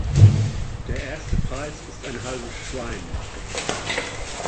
Der erste Preis ist ein halbes Schwein.